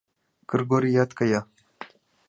Кыргорият кая.